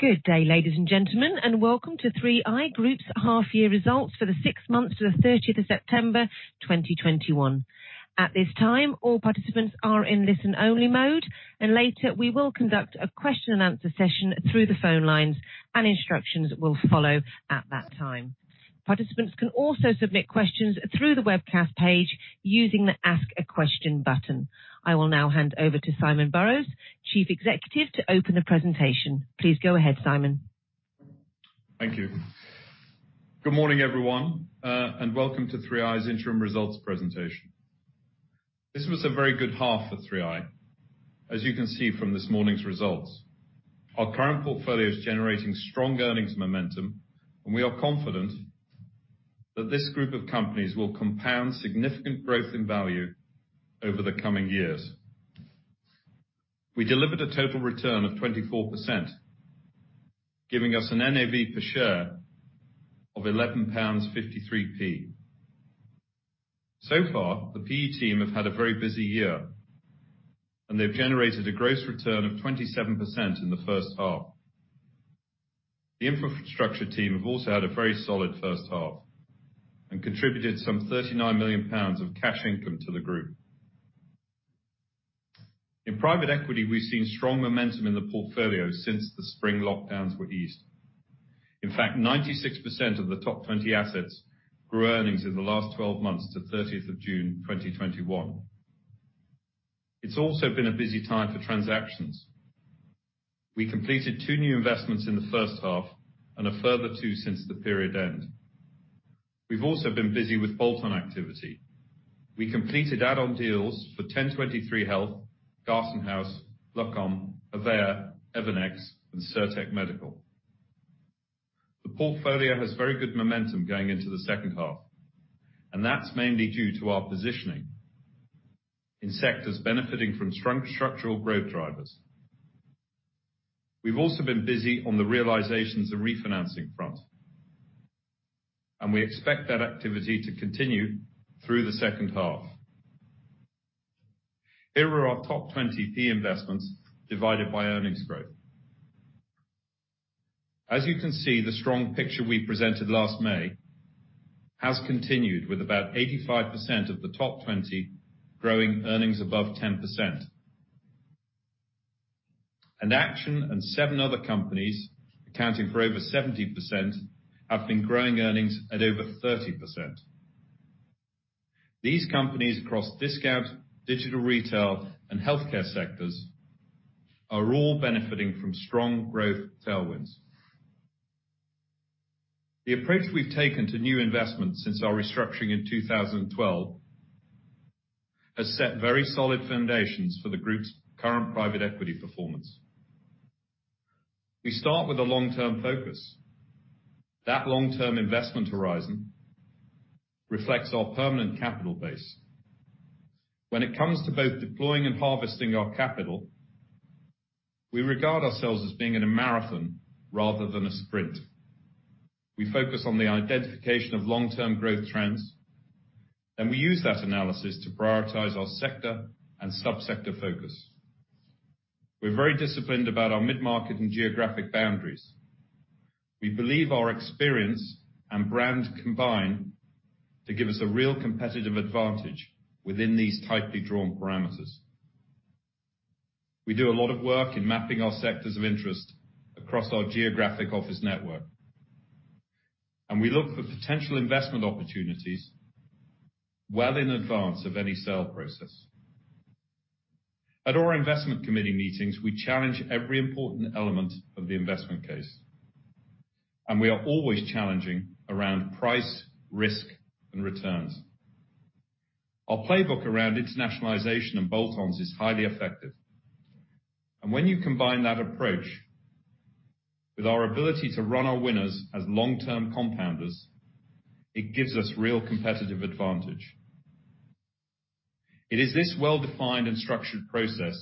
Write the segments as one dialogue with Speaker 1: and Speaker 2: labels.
Speaker 1: Good day, ladies and gentlemen, and welcome to 3i Group's half year results for the six months to the 30th of September 2021. At this time, all participants are in listen-only mode. Later, we will conduct a question and answer session through the phone lines, and instructions will follow at that time. Participants can also submit questions through the webcast page using the Ask a Question button. I will now hand over to Simon Borrows, Chief Executive, to open the presentation. Please go ahead, Simon.
Speaker 2: Thank you. Good morning, everyone, and welcome to 3i's interim results presentation. This was a very good half for 3i, as you can see from this morning's results. Our current portfolio is generating strong earnings momentum, and we are confident that this group of companies will compound significant growth and value over the coming years. We delivered a total return of 24%, giving us an NAV per share of 11.53 pounds. So far, the PE team have had a very busy year, and they've generated a gross return of 27% in the first half. The infrastructure team have also had a very solid first half and contributed some 39 million pounds of cash income to the group. In private equity, we've seen strong momentum in the portfolio since the spring lockdowns were eased. In fact, 96% of the top 20 assets grew earnings in the last 12 months to 30th of June, 2021. It's also been a busy time for transactions. We completed two new investments in the first half and a further two since the period end. We've also been busy with bolt-on activity. We completed add-on deals for ten23 health, Dawson House, Luqom, Havea, Evernex, and Cirtec Medical. The portfolio has very good momentum going into the second half, and that's mainly due to our positioning in sectors benefiting from structural growth drivers. We've also been busy on the realizations and refinancing front, and we expect that activity to continue through the second half. Here are our top 20 PE investments divided by earnings growth. As you can see, the strong picture we presented last May has continued with about 85% of the top 20 growing earnings above 10%. Action and seven other companies, accounting for over 70%, have been growing earnings at over 30%. These companies across discount, digital retail, and healthcare sectors are all benefiting from strong growth tailwinds. The approach we've taken to new investments since our restructuring in 2012 has set very solid foundations for the group's current private equity performance. We start with a long-term focus. That long-term investment horizon reflects our permanent capital base. When it comes to both deploying and harvesting our capital, we regard ourselves as being in a marathon rather than a sprint. We focus on the identification of long-term growth trends, and we use that analysis to prioritize our sector and subsector focus. We're very disciplined about our mid-market and geographic boundaries. We believe our experience and brand combine to give us a real competitive advantage within these tightly drawn parameters. We do a lot of work in mapping our sectors of interest across our geographic office network, and we look for potential investment opportunities well in advance of any sale process. At our investment committee meetings, we challenge every important element of the investment case, and we are always challenging around price, risk, and returns. Our playbook around internationalization and bolt-ons is highly effective. When you combine that approach with our ability to run our winners as long-term compounders, it gives us real competitive advantage. It is this well-defined and structured process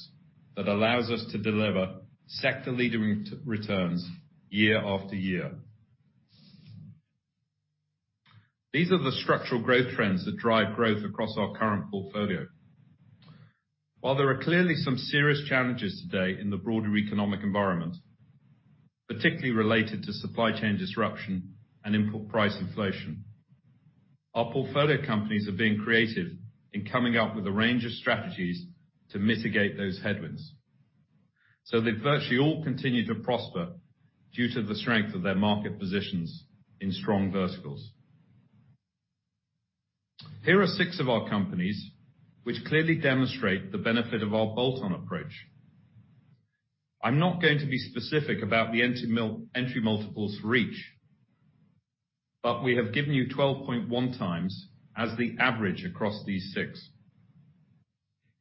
Speaker 2: that allows us to deliver sector-leading returns year after year. These are the structural growth trends that drive growth across our current portfolio. While there are clearly some serious challenges today in the broader economic environment, particularly related to supply chain disruption and input price inflation, our portfolio companies are being creative in coming up with a range of strategies to mitigate those headwinds. They virtually all continue to prosper due to the strength of their market positions in strong verticals. Here are six of our companies which clearly demonstrate the benefit of our bolt-on approach. I'm not going to be specific about the entry multiples for each, but we have given you 12.1x as the average across these six.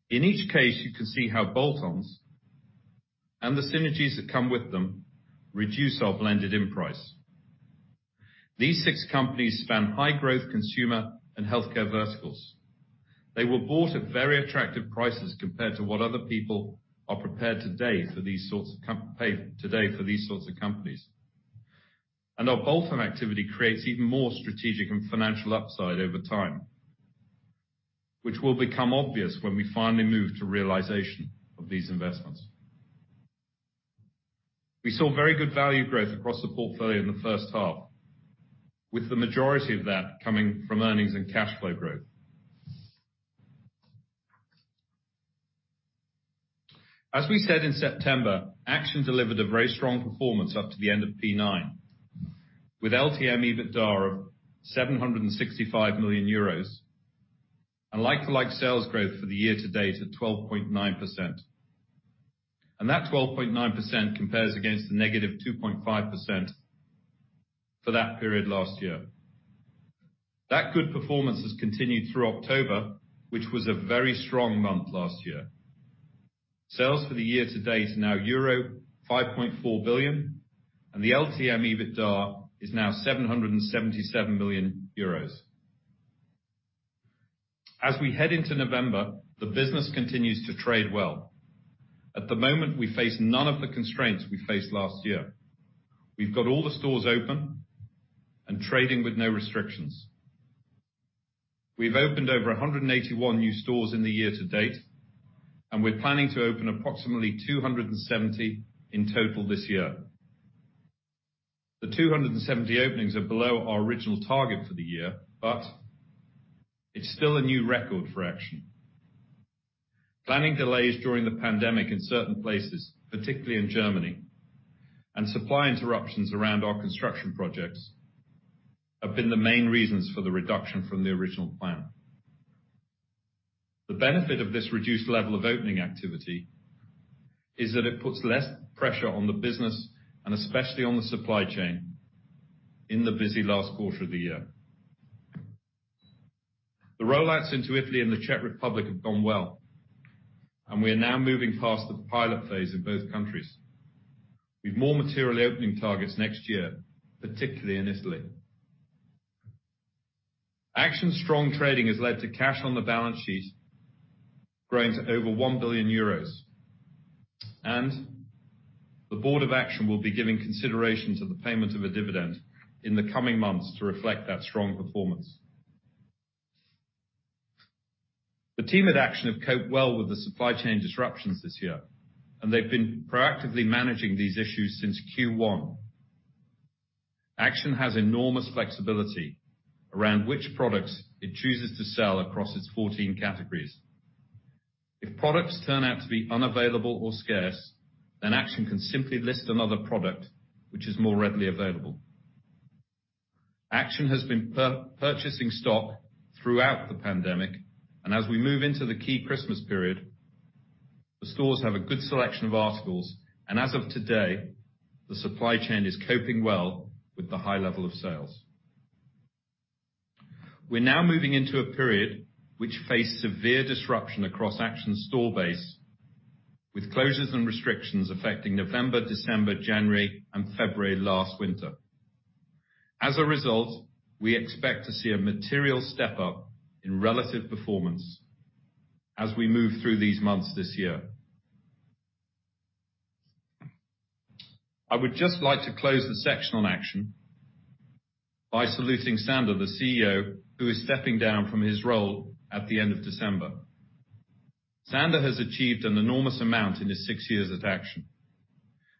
Speaker 2: In each case, you can see how bolt-ons and the synergies that come with them reduce our blended end price. These six companies span high-growth consumer and healthcare verticals. They were bought at very attractive prices compared to what other people are prepared to pay today for these sorts of companies. Our bolt-on activity creates even more strategic and financial upside over time, which will become obvious when we finally move to realization of these investments. We saw very good value growth across the portfolio in the first half, with the majority of that coming from earnings and cash flow growth. As we said in September, Action delivered a very strong performance up to the end of P9, with LTM EBITDA of 765 million euros and like-for-like sales growth for the year to date at 12.9%. That 12.9% compares against the negative 2.5% for that period last year. That good performance has continued through October, which was a very strong month last year. Sales for the year to date now euro 5.4 billion, and the LTM EBITDA is now 777 million euros. As we head into November, the business continues to trade well. At the moment, we face none of the constraints we faced last year. We've got all the stores open and trading with no restrictions. We've opened over 181 new stores in the year to date, and we're planning to open approximately 270 in total this year. The 270 openings are below our original target for the year, but it's still a new record for Action. Planning delays during the pandemic in certain places, particularly in Germany, and supply interruptions around our construction projects have been the main reasons for the reduction from the original plan. The benefit of this reduced level of opening activity is that it puts less pressure on the business and especially on the supply chain in the busy last quarter of the year. The rollouts into Italy and the Czech Republic have gone well, and we are now moving past the pilot phase in both countries with more material opening targets next year, particularly in Italy. Action strong trading has led to cash on the balance sheet growing to over 1 billion euros, and the board of Action will be giving consideration to the payment of a dividend in the coming months to reflect that strong performance. The team at Action have coped well with the supply chain disruptions this year, and they've been proactively managing these issues since Q1. Action has enormous flexibility around which products it chooses to sell across its 14 categories. If products turn out to be unavailable or scarce, then Action can simply list another product which is more readily available. Action has been purchasing stock throughout the pandemic, and as we move into the key Christmas period, the stores have a good selection of articles, and as of today, the supply chain is coping well with the high level of sales. We're now moving into a period which faced severe disruption across Action store base, with closures and restrictions affecting November, December, January and February last winter. As a result, we expect to see a material step up in relative performance as we move through these months this year. I would just like to close the section on Action by saluting Sander, the CEO, who is stepping down from his role at the end of December. Sander has achieved an enormous amount in his six years at Action,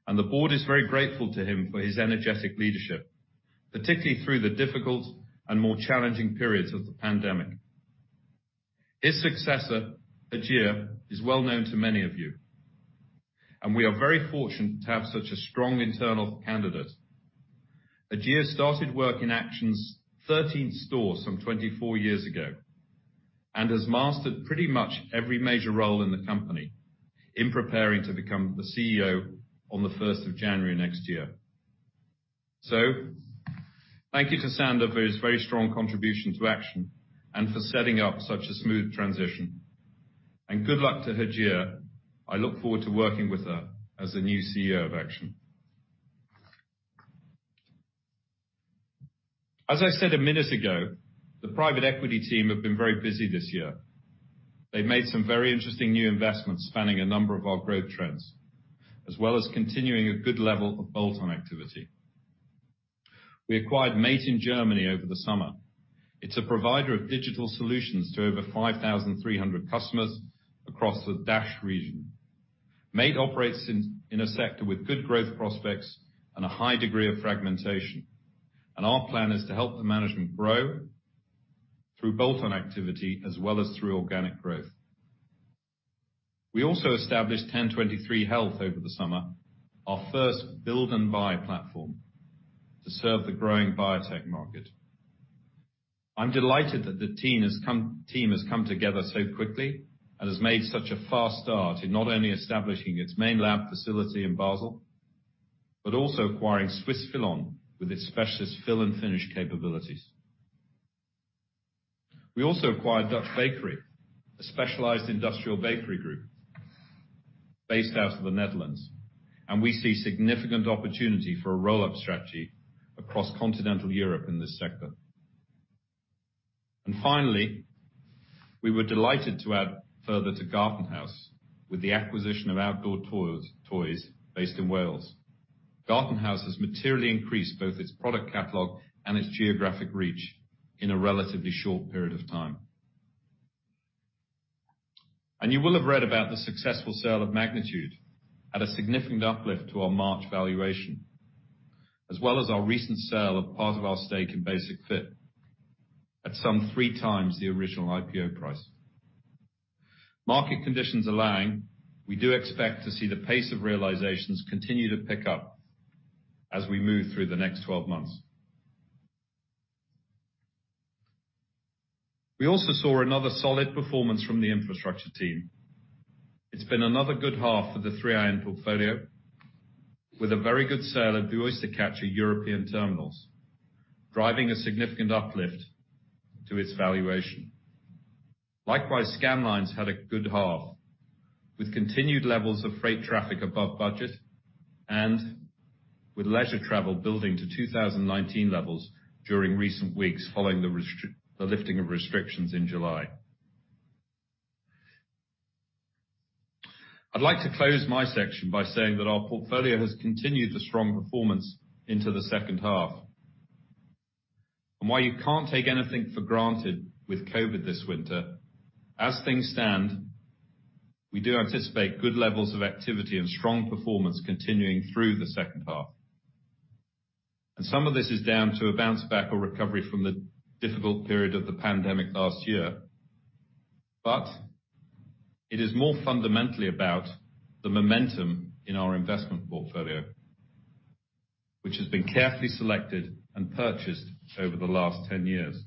Speaker 2: and the board is very grateful to him for his energetic leadership, particularly through the difficult and more challenging periods of the pandemic. His successor, Hajir, is well known to many of you, and we are very fortunate to have such a strong internal candidate. Hajir started work in Action's 13 stores some 24 years ago and has mastered pretty much every major role in the company in preparing to become the CEO on the first of January next year. Thank you to Sander for his very strong contribution to Action and for setting up such a smooth transition. Good luck to Hajir. I look forward to working with her as the new CEO of Action. As I said a minute ago, the private equity team have been very busy this year. They've made some very interesting new investments spanning a number of our growth trends, as well as continuing a good level of bolt-on activity. We acquired MAIT in Germany over the summer. It's a provider of digital solutions to over 5,300 customers across the DACH region. MAIT operates in a sector with good growth prospects and a high degree of fragmentation. Our plan is to help the management grow through bolt-on activity as well as through organic growth. We also established ten23 health over the summer, our first build and buy platform to serve the growing biotech market. I'm delighted that the team has come together so quickly and has made such a fast start in not only establishing its main lab facility in Basel, but also acquiring Swissfillon with its specialist fill and finish capabilities. We also acquired Dutch Bakery, a specialized industrial bakery group based out of the Netherlands, and we see significant opportunity for a roll-up strategy across continental Europe in this sector. Finally, we were delighted to add further to GartenHaus with the acquisition of Outdoor Toys, based in Wales. GartenHaus has materially increased both its product catalog and its geographic reach in a relatively short period of time. You will have read about the successful sale of Magnitude at a significant uplift to our March valuation, as well as our recent sale of part of our stake in Basic-Fit at some three times the original IPO price. Market conditions allowing, we do expect to see the pace of realizations continue to pick up as we move through the next 12 months. We also saw another solid performance from the infrastructure team. It's been another good half for the 3i portfolio, with a very good sale of the Oystercatcher European Terminals, driving a significant uplift to its valuation. Likewise, Scandlines had a good half, with continued levels of freight traffic above budget and with leisure travel building to 2019 levels during recent weeks following the lifting of restrictions in July. I'd like to close my section by saying that our portfolio has continued the strong performance into the second half. While you can't take anything for granted with COVID this winter, as things stand, we do anticipate good levels of activity and strong performance continuing through the second half. Some of this is down to a bounce-back or recovery from the difficult period of the pandemic last year. It is more fundamentally about the momentum in our investment portfolio, which has been carefully selected and purchased over the last 10 years.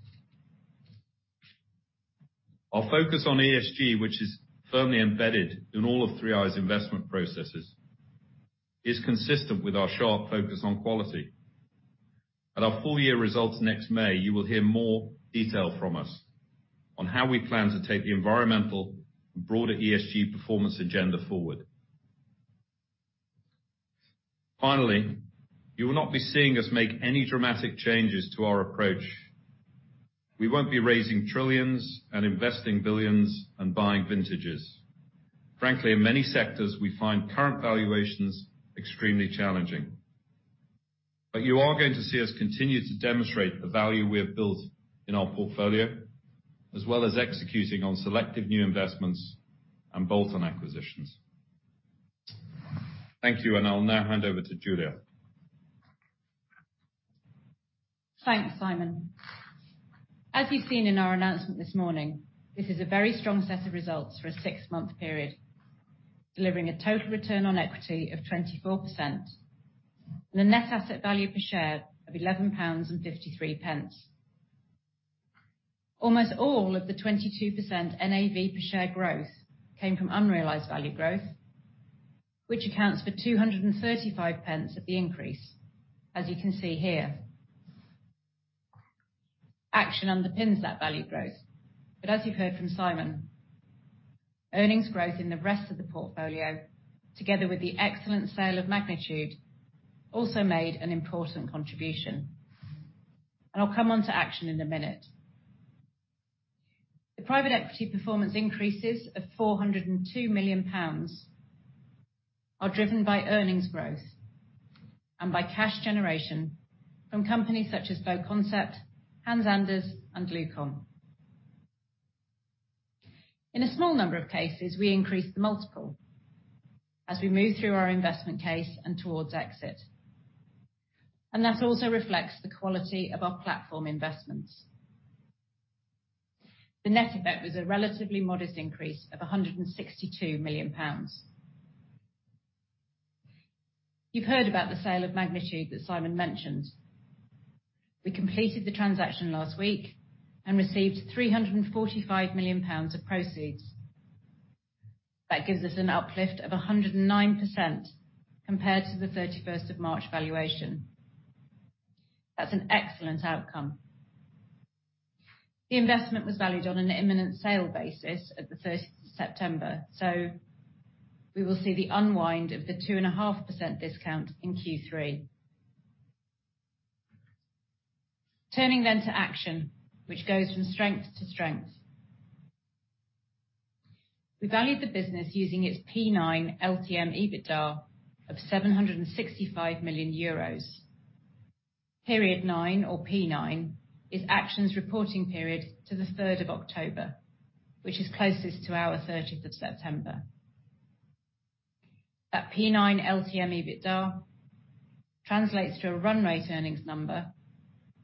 Speaker 2: Our focus on ESG, which is firmly embedded in all of 3i's investment processes, is consistent with our sharp focus on quality. At our full year results next May, you will hear more detail from us on how we plan to take the environmental and broader ESG performance agenda forward. Finally, you will not be seeing us make any dramatic changes to our approach. We won't be raising trillions and investing billions and buying vintages. Frankly, in many sectors, we find current valuations extremely challenging. You are going to see us continue to demonstrate the value we have built in our portfolio, as well as executing on selective new investments and bolt-on acquisitions. Thank you, and I'll now hand over to Julia.
Speaker 3: Thanks, Simon. As we've seen in our announcement this morning, this is a very strong set of results for a six-month period, delivering a total return on equity of 24% and a net asset value per share of 11.53 pounds. Almost all of the 22% NAV per share growth came from unrealized value growth, which accounts for 2.35 of the increase, as you can see here. Action underpins that value growth, but as you've heard from Simon, earnings growth in the rest of the portfolio, together with the excellent sale of Magnitude, also made an important contribution. I'll come on to Action in a minute. The private equity performance increases of 402 million pounds are driven by earnings growth and by cash generation from companies such as BoConcept, Hans Anders and Luqom. In a small number of cases, we increased the multiple as we move through our investment case and towards exit. That also reflects the quality of our platform investments. The net effect was a relatively modest increase of 162 million pounds. You've heard about the sale of Magnitude that Simon mentioned. We completed the transaction last week and received 345 million pounds of proceeds. That gives us an uplift of 109% compared to the 31st of March valuation. That's an excellent outcome. The investment was valued on an imminent sale basis at the 30th of September, so we will see the unwind of the 2.5% discount in Q3. Turning to Action, which goes from strength to strength. We valued the business using its P9 LTM EBITDA of 765 million euros. Period nine or P9 is Action's reporting period to the third of October, which is closest to our thirtieth of September. That P9 LTM EBITDA translates to a run rate earnings number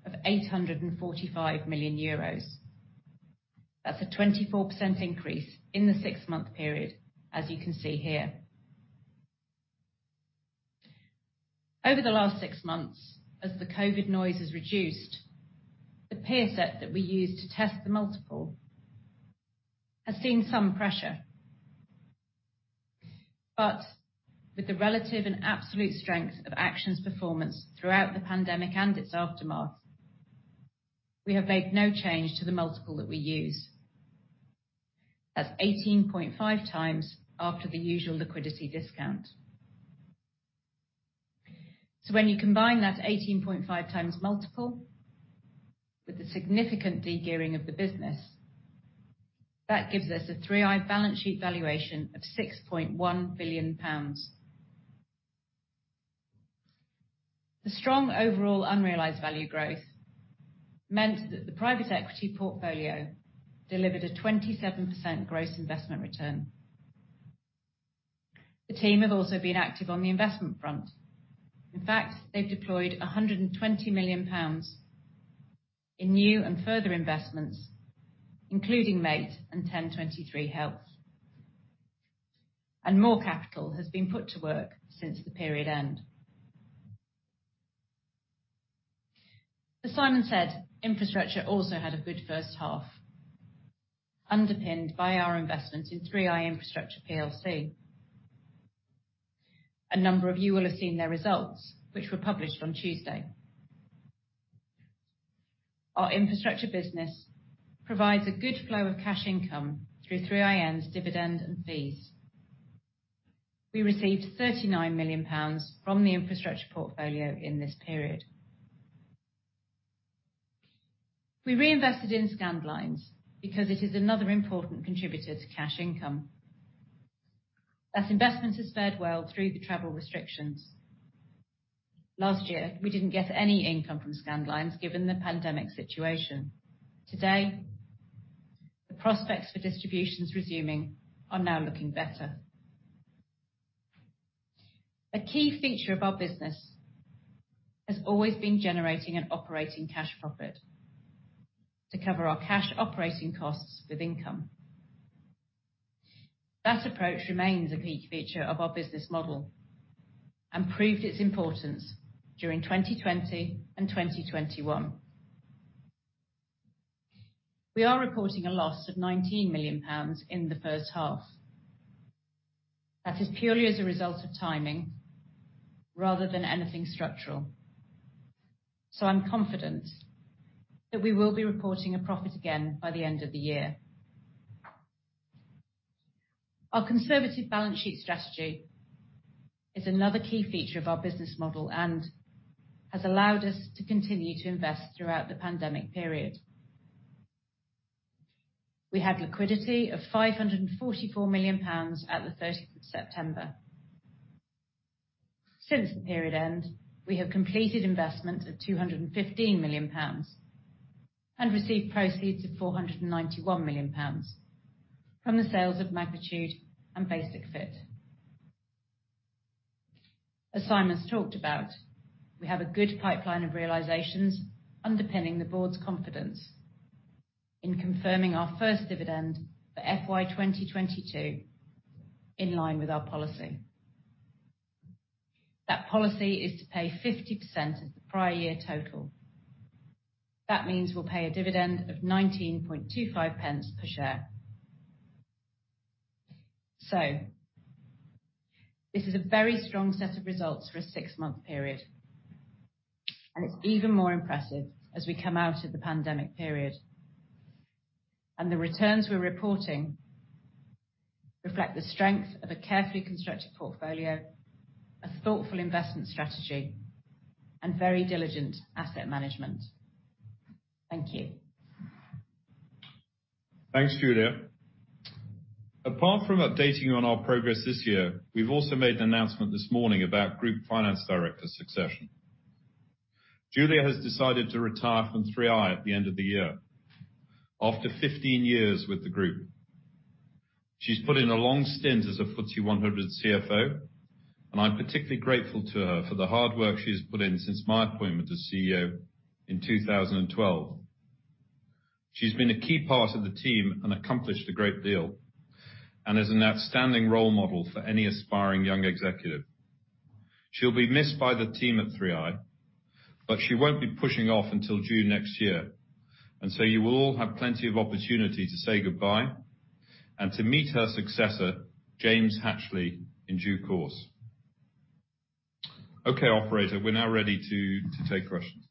Speaker 3: of 845 million euros. That's a 24% increase in the six-month period, as you can see here. Over the last six months, as the COVID noise has reduced, the peer set that we use to test the multiple has seen some pressure. With the relative and absolute strength of Action's performance throughout the pandemic and its aftermath, we have made no change to the multiple that we use. That's 18.5x after the usual liquidity discount. When you combine that 18.5x multiple with the significant de-gearing of the business. That gives us a 3i balance sheet valuation of 6.1 billion pounds. The strong overall unrealized value growth meant that the private equity portfolio delivered a 27% gross investment return. The team have also been active on the investment front. In fact, they've deployed 120 million pounds in new and further investments, including MPM and ten23 health. More capital has been put to work since the period end. As Simon said, infrastructure also had a good first half, underpinned by our investment in 3i Infrastructure PLC. A number of you will have seen their results, which were published on Tuesday. Our infrastructure business provides a good flow of cash income through 3i's dividend and fees. We received 39 million pounds from the infrastructure portfolio in this period. We reinvested in Scandlines because it is another important contributor to cash income. That investment has fared well through the travel restrictions. Last year, we didn't get any income from Scandlines, given the pandemic situation. Today, the prospects for distributions resuming are now looking better. A key feature of our business has always been generating an operating cash profit to cover our cash operating costs with income. That approach remains a key feature of our business model and proved its importance during 2020 and 2021. We are reporting a loss of 19 million pounds in the first half. That is purely as a result of timing rather than anything structural, so I'm confident that we will be reporting a profit again by the end of the year. Our conservative balance sheet strategy is another key feature of our business model and has allowed us to continue to invest throughout the pandemic period. We have liquidity of 544 million pounds at the 13th of September. Since the period end, we have completed investments of 215 million pounds and received proceeds of 491 million pounds from the sales of Magnitude and Basic-Fit. As Simon's talked about, we have a good pipeline of realizations underpinning the board's confidence in confirming our first dividend for FY 2022 in line with our policy. That policy is to pay 50% of the prior year total. That means we'll pay a dividend of 0.1925 per share. This is a very strong set of results for a six-month period, and it's even more impressive as we come out of the pandemic period. The returns we're reporting reflect the strength of a carefully constructed portfolio, a thoughtful investment strategy, and very diligent asset management. Thank you.
Speaker 2: Thanks, Julia. Apart from updating you on our progress this year, we've also made an announcement this morning about group finance director succession. Julia has decided to retire from 3i at the end of the year after 15 years with the group. She's put in a long stint as a FTSE 100 CFO, and I'm particularly grateful to her for the hard work she has put in since my appointment as CEO in 2012. She's been a key part of the team and accomplished a great deal and is an outstanding role model for any aspiring young executive. She'll be missed by the team at 3i, but she won't be pushing off until June next year, and so you will all have plenty of opportunity to say goodbye and to meet her successor, James Hatchley, in due course. Okay, operator, we're now ready to take questions.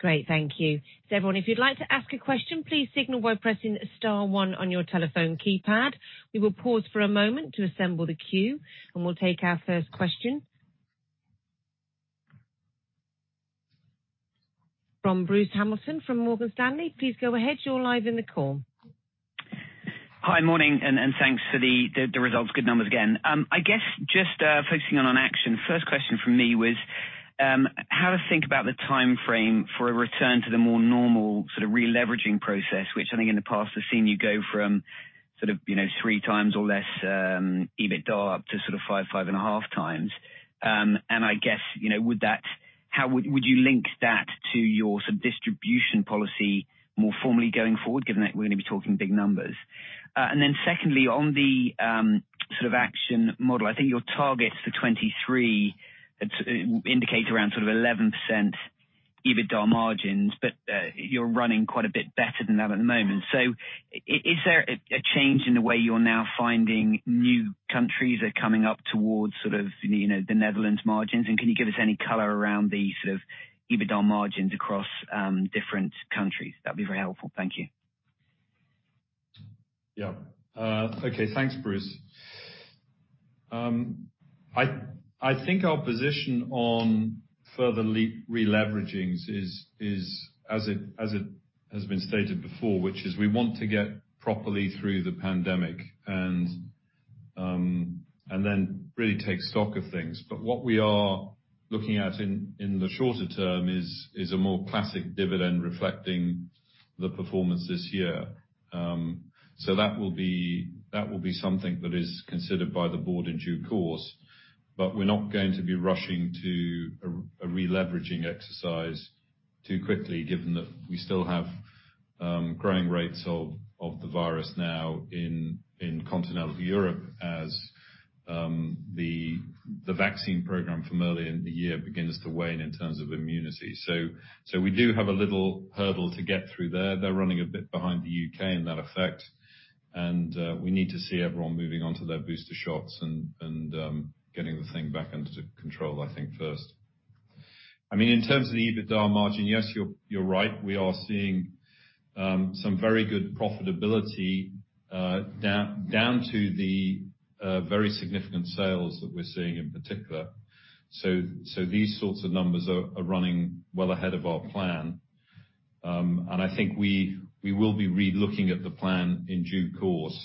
Speaker 1: Great. Thank you. Everyone, if you'd like to ask a question, please signal by pressing star one on your telephone keypad. We will pause for a moment to assemble the queue, and we'll take our first question from Bruce Hamilton from Morgan Stanley. Please go ahead. You're live in the call.
Speaker 4: Hi. Morning, and thanks for the results. Good numbers again. I guess just focusing on Action, first question from me was how to think about the timeframe for a return to the more normal sort of releveraging process, which I think in the past has seen you go from sort of, you know, 3x or less EBITDA up to sort of 5.5x. I guess, you know, would you link that to your sort of distribution policy more formally going forward, given that we're gonna be talking big numbers? Then secondly, on the sort of Action model, I think your targets for 2023 indicate around sort of 11% EBITDA margins, but you're running quite a bit better than that at the moment. Is there a change in the way you're now finding new countries are coming up towards sort of, you know, the Netherlands margins? Can you give us any color around the sort of EBITDA margins across different countries? That'd be very helpful. Thank you.
Speaker 2: Yeah. Okay, thanks, Bruce. I think our position on further releveragings is as it has been stated before, which is we want to get properly through the pandemic and then really take stock of things. What we are looking at in the shorter term is a more classic dividend reflecting the performance this year. So that will be something that is considered by the board in due course, but we're not going to be rushing to a releveraging exercise too quickly, given that we still have growing rates of the virus now in continental Europe as the vaccine program from earlier in the year begins to wane in terms of immunity. We do have a little hurdle to get through there. They're running a bit behind the U.K. in that effect, and we need to see everyone moving on to their booster shots and getting the thing back under control, I think first. I mean, in terms of the EBITDA margin, yes, you're right. We are seeing some very good profitability due to the very significant sales that we're seeing in particular. These sorts of numbers are running well ahead of our plan. I think we will be relooking at the plan in due course.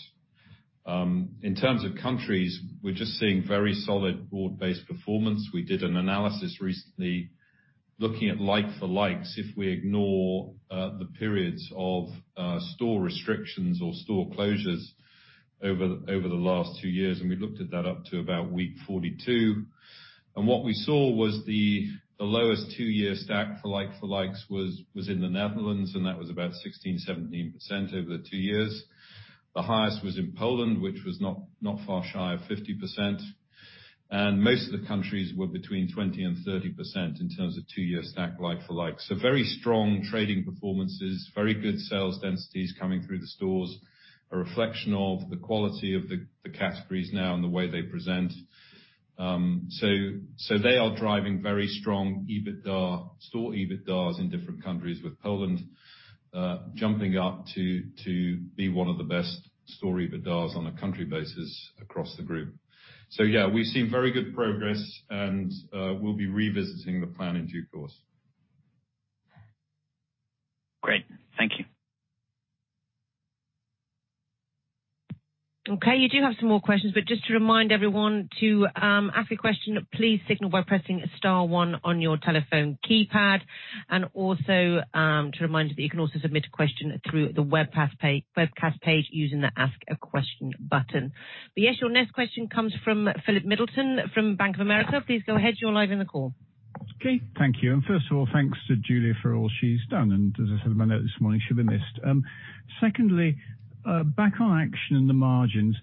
Speaker 2: In terms of countries, we're just seeing very solid broad-based performance. We did an analysis recently looking at like-for-likes if we ignore the periods of store restrictions or store closures over the last two years, and we looked at that up to about week 42. What we saw was the lowest two-year stack for like-for-likes in the Netherlands, and that was about 16%-17% over the two years. The highest was in Poland, which was not far shy of 50%. Most of the countries were between 20% and 30% in terms of two-year stack like-for-like. Very strong trading performances, very good sales densities coming through the stores, a reflection of the quality of the categories now and the way they present. They are driving very strong EBITDA, store EBITDA's in different countries, with Poland jumping up to be one of the best store EBITDA's on a country basis across the group. Yeah, we've seen very good progress and we'll be revisiting the plan in due course.
Speaker 4: Great. Thank you.
Speaker 1: Okay. You do have some more questions, but just to remind everyone to ask a question, please signal by pressing star one on your telephone keypad. You can also submit a question through the webcast page using the Ask a Question button. Yes, your next question comes from Philip Middleton from Bank of America. Please go ahead. You're live in the call.
Speaker 5: Okay. Thank you. First of all, thanks to Julia for all she's done. As I said in my note this morning, she'll be missed. Secondly, back on Action and the margins,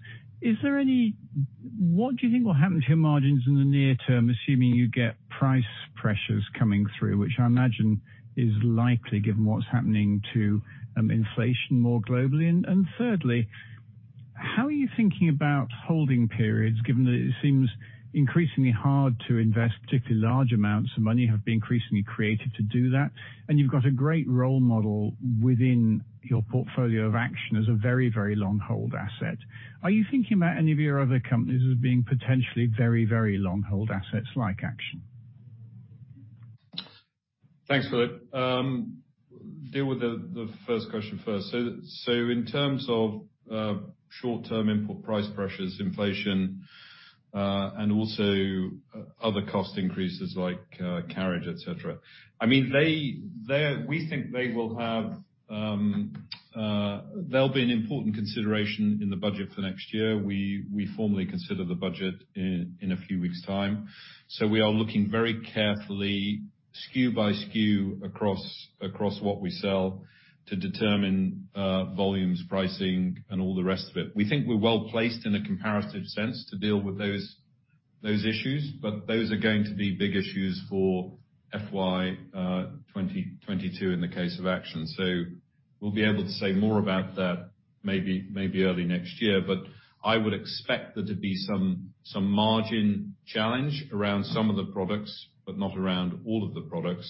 Speaker 5: what do you think will happen to your margins in the near term, assuming you get price pressures coming through, which I imagine is likely given what's happening to inflation more globally? Thirdly, how are you thinking about holding periods, given that it seems increasingly hard to invest, particularly large amounts of money have been increasingly created to do that, and you've got a great role model within your portfolio of Action as a very, very long hold asset. Are you thinking about any of your other companies as being potentially very, very long hold assets like Action?
Speaker 2: Thanks, Philip. Deal with the first question first. In terms of short-term input price pressures, inflation, and also other cost increases like carriage, et cetera, I mean, we think they will be an important consideration in the budget for next year. We formally consider the budget in a few weeks' time. We are looking very carefully SKU by SKU across what we sell to determine volumes, pricing, and all the rest of it. We think we're well-placed in a comparative sense to deal with those issues, but those are going to be big issues for FY 2022 in the case of Action. We'll be able to say more about that maybe early next year. I would expect there to be some margin challenge around some of the products, but not around all of the products.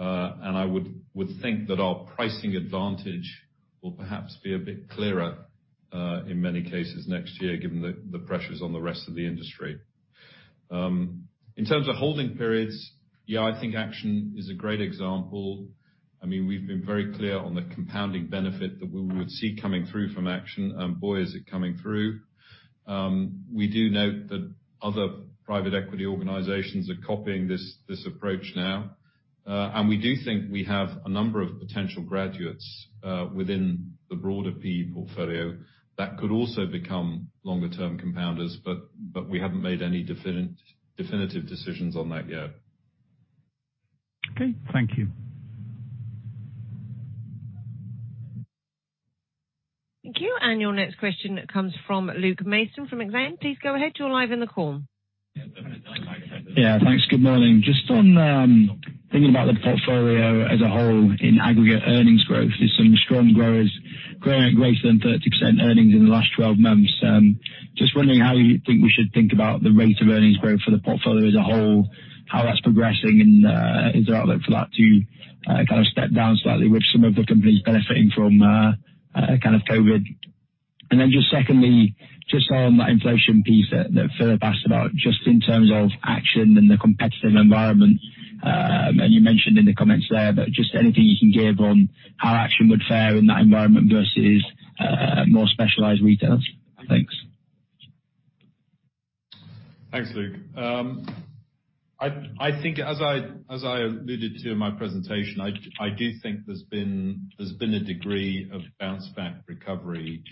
Speaker 2: I would think that our pricing advantage will perhaps be a bit clearer in many cases next year, given the pressures on the rest of the industry. In terms of holding periods, yeah, I think Action is a great example. I mean, we've been very clear on the compounding benefit that we would see coming through from Action, and boy, is it coming through. We do note that other private equity organizations are copying this approach now. We do think we have a number of potential graduates within the broader PE portfolio that could also become longer term compounders, but we haven't made any definitive decisions on that yet.
Speaker 5: Okay. Thank you.
Speaker 1: Thank you. Your next question comes from Luke Mason from Exane. Please go ahead. You're live in the call.
Speaker 6: Yeah. Thanks. Good morning. Just on thinking about the portfolio as a whole in aggregate earnings growth, there's some strong growers growing at greater than 30% earnings in the last 12 months. Just wondering how you think we should think about the rate of earnings growth for the portfolio as a whole, how that's progressing, and is there outlook for that to kind of step down slightly with some of the companies benefiting from kind of COVID. Just secondly, just on that inflation piece that Philip asked about, just in terms of Action and the competitive environment, and you mentioned in the comments there, but just anything you can give on how Action would fare in that environment versus more specialized retailers? Thanks.
Speaker 2: Thanks, Luke. I think as I alluded to in my presentation, I do think there's been a degree of bounce back recovery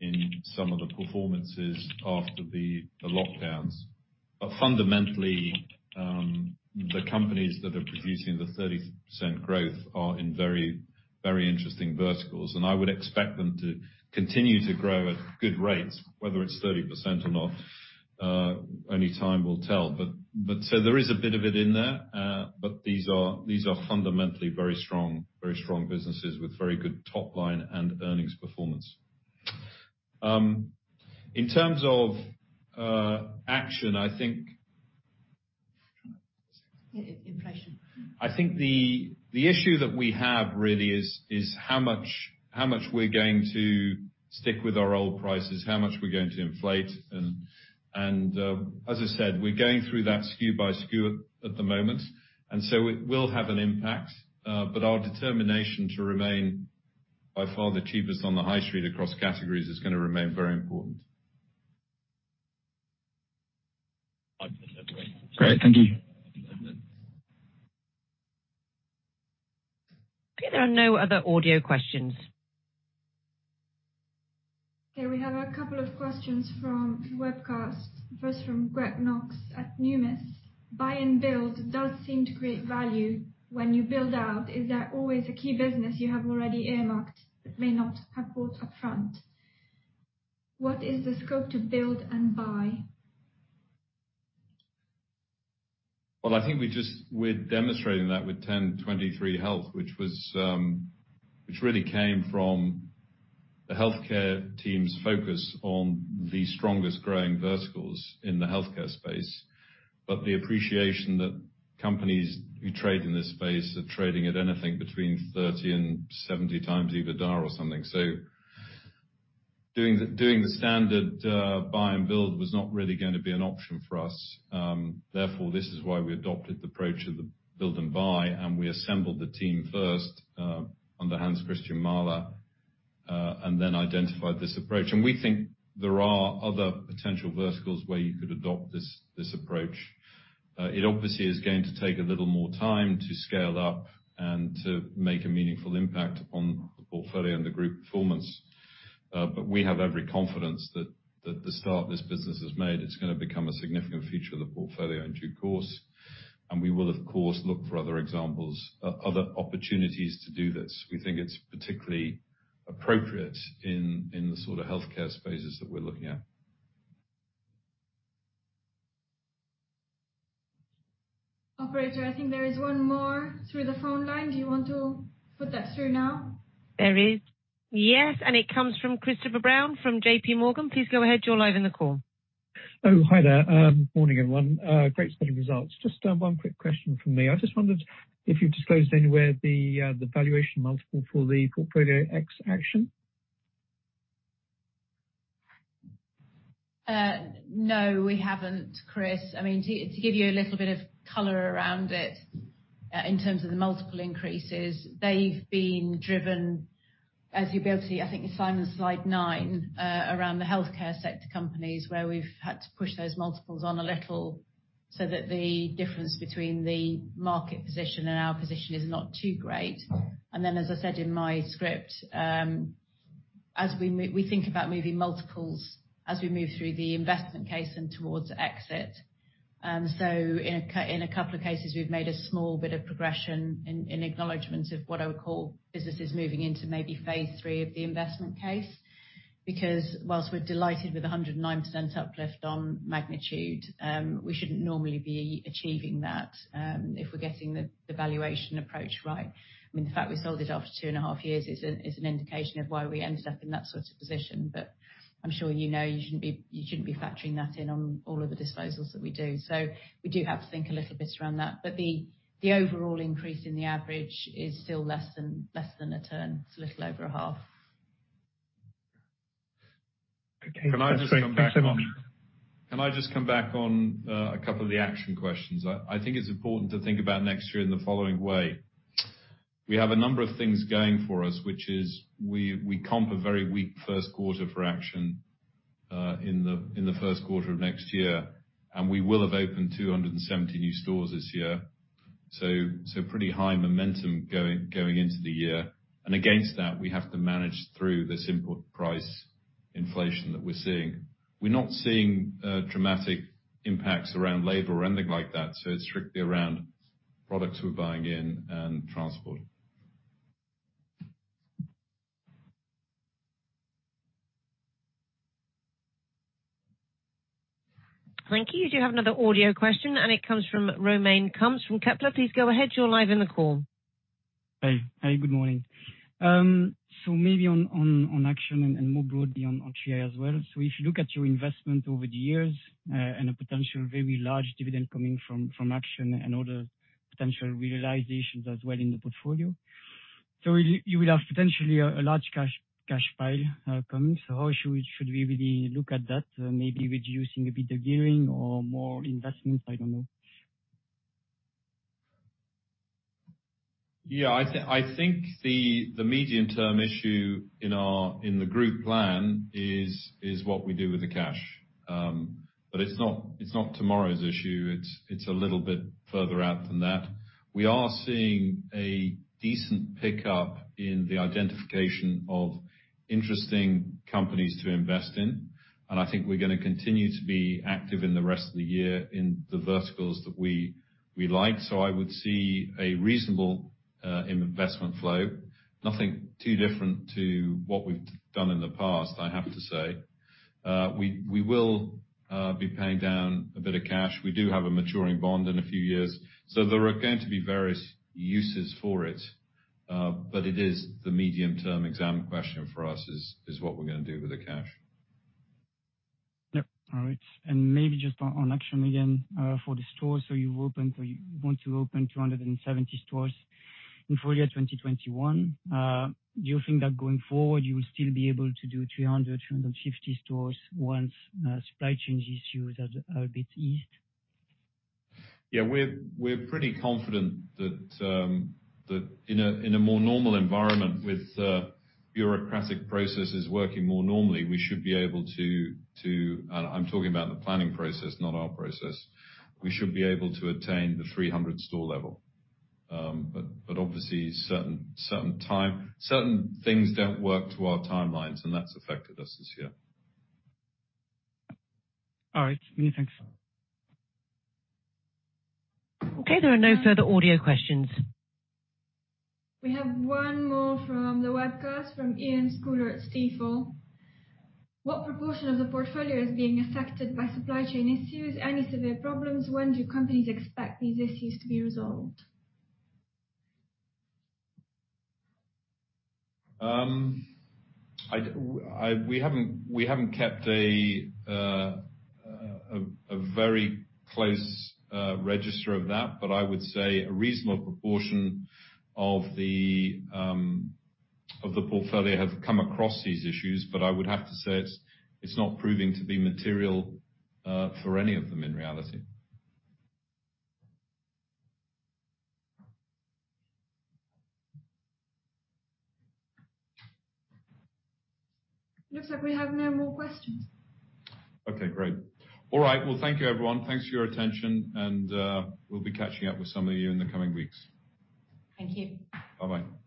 Speaker 2: in some of the performances after the lockdowns. Fundamentally, the companies that are producing the 30% growth are in very interesting verticals, and I would expect them to continue to grow at good rates, whether it's 30% or not, only time will tell. There is a bit of it in there, but these are fundamentally very strong businesses with very good top line and earnings performance. In terms of Action, I think...
Speaker 3: Inflation.
Speaker 2: I think the issue that we have really is how much we're going to stick with our old prices, how much we're going to inflate. As I said, we're going through that SKU by SKU at the moment, and so it will have an impact. Our determination to remain by far the cheapest on the high street across categories is gonna remain very important.
Speaker 6: Great. Thank you.
Speaker 1: Okay. There are no other audio questions.
Speaker 7: Okay. We have a couple of questions from webcast. First from Greg Knox at Numis. Buy and build does seem to create value. When you build out, is there always a key business you have already earmarked that may not have bought upfront? What is the scope to build and buy?
Speaker 2: Well, I think we're demonstrating that with ten23 health, which really came from the healthcare team's focus on the strongest growing verticals in the healthcare space. The appreciation that companies who trade in this space are trading at anything between 30x and 70x EBITDA or something. Doing the standard buy and build was not really gonna be an option for us. Therefore, this is why we adopted the approach of the build and buy, and we assembled the team first under Hanns-Christian Mahler and then identified this approach. We think there are other potential verticals where you could adopt this approach. It obviously is going to take a little more time to scale up and to make a meaningful impact upon the portfolio and the group performance. We have every confidence that the start that this business has made, it's gonna become a significant feature of the portfolio in due course. We will, of course, look for other examples, other opportunities to do this. We think it's particularly appropriate in the sort of healthcare spaces that we're looking at.
Speaker 7: Operator, I think there is one more through the phone line. Do you want to put that through now?
Speaker 1: There is, yes. It comes from Christopher Brown from JPMorgan. Please go ahead. You're live on the call.
Speaker 8: Oh, hi there. Morning, everyone. Great set of results. Just one quick question from me. I just wondered if you've disclosed anywhere the valuation multiple for the portfolio ex Action.
Speaker 3: No, we haven't, Chris. I mean, to give you a little bit of color around it, in terms of the multiple increases, they've been driven, as you'll be able to see, I think it's Simon's slide nine, around the healthcare sector companies, where we've had to push those multiples on a little so that the difference between the market position and our position is not too great. Then, as I said in my script, as we think about moving multiples as we move through the investment case and towards exit. In a couple of cases, we've made a small bit of progression in acknowledgement of what I would call businesses moving into maybe phase three of the investment case. Because while we're delighted with the 109% uplift on Magnitude, we shouldn't normally be achieving that, if we're getting the valuation approach right. I mean, the fact we sold it after 2.5 years is an indication of why we ended up in that sort of position. I'm sure you know you shouldn't be factoring that in on all of the disposals that we do. We do have to think a little bit around that. The overall increase in the average is still less than a turn. It's a little over a half.
Speaker 8: Okay.
Speaker 2: Can I just come back on?
Speaker 8: Thanks so much.
Speaker 2: Can I just come back on a couple of the Action questions? I think it's important to think about next year in the following way. We have a number of things going for us, which is we comp a very weak first quarter for Action in the first quarter of next year, and we will have opened 270 new stores this year. So pretty high momentum going into the year. Against that, we have to manage through this input price inflation that we're seeing. We're not seeing dramatic impacts around labor or anything like that, so it's strictly around products we're buying in and transport.
Speaker 1: Thank you. We do have another audio question, and it comes from Romain Kumps from Kepler. Please go ahead. You're live in the call.
Speaker 9: Hey. Hey, good morning. Maybe on Action and more broadly on TA as well. If you look at your investment over the years, and a potential very large dividend coming from Action and other potential realizations as well in the portfolio. You will have potentially a large cash pile coming. How should we really look at that? Maybe reducing a bit of gearing or more investments? I don't know.
Speaker 2: Yeah. I think the medium-term issue in our group plan is what we do with the cash. But it's not tomorrow's issue, it's a little bit further out than that. We are seeing a decent pickup in the identification of interesting companies to invest in, and I think we're gonna continue to be active in the rest of the year in the verticals that we like. I would see a reasonable investment flow. Nothing too different to what we've done in the past, I have to say. We will be paying down a bit of cash. We do have a maturing bond in a few years, so there are going to be various uses for it. It is the medium-term exam question for us, is what we're gonna do with the cash.
Speaker 9: Yep. All right. Maybe just on Action for the stores. So you've opened or you want to open 270 stores in FY 2021. Do you think that going forward you will still be able to do 300-350 stores once supply chain issues are a bit eased?
Speaker 2: We're pretty confident that in a more normal environment with bureaucratic processes working more normally, we should be able to attain the 300 store level. I'm talking about the planning process, not our process. Obviously, certain things don't work to our timelines, and that's affected us this year.
Speaker 9: All right. Many thanks.
Speaker 1: Okay. There are no further audio questions.
Speaker 7: We have one more from the webcast, from Iain Scouller at Stifel. What proportion of the portfolio is being affected by supply chain issues? Any severe problems? When do companies expect these issues to be resolved?
Speaker 2: We haven't kept a very close register of that. I would say a reasonable proportion of the portfolio have come across these issues. I would have to say it's not proving to be material for any of them in reality.
Speaker 7: Looks like we have no more questions.
Speaker 2: Okay. Great. All right. Well, thank you everyone. Thanks for your attention and we'll be catching up with some of you in the coming weeks.
Speaker 3: Thank you.
Speaker 2: Bye-bye.